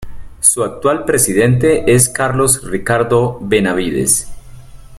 Su actual presidente es Carlos Ricardo Benavides.